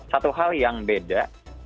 satu hal yang beda